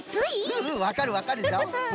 うんわかるわかるぞ。